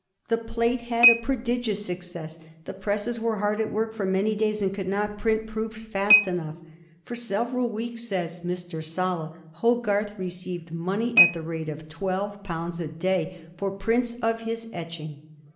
The plate had a prodigious success. The presses were hard at work for many days, and could not print proofs fast enough. "For several weeks," says Mr. Sala, " Hogarth received money at the rate of twelve pounds a day for prints of his etch ing."